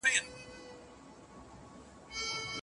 بریالیو خلګو خپله خوشالي څرګنده کړې ده.